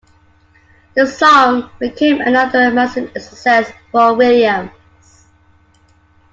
The song became another massive success for Williams.